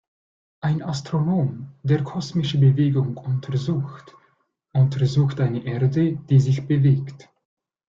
Ein Astronom, der kosmische Bewegung untersucht, untersucht eine Erde, die sich bewegt.